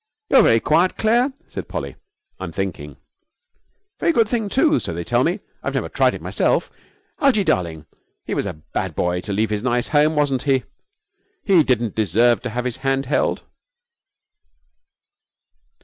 'You're very quiet, Claire,' said Polly. 'I'm thinking.' 'A very good thing, too, so they tell me. I've never tried it myself. Algie, darling, he was a bad boy to leave his nice home, wasn't he? He didn't deserve to have his hand held.'